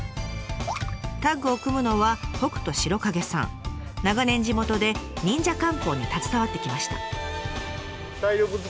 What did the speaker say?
タッグを組むのは長年地元で忍者観光に携わってきました。